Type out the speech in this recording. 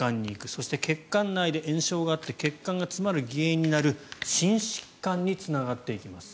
そして、血管内で炎症があって血管が詰まる原因になる心疾患につながっていきます。